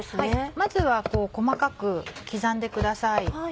まずは細かく刻んでください。